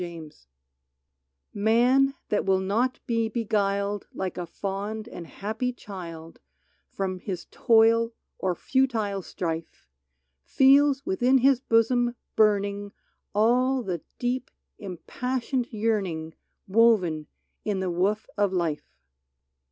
n UNREST TV /Tan that will not be beguiled Like a fond and happy child From his toil or futile strife, Feels within his bosom burning All the deep, impassioned yearning Woven in the woof of life.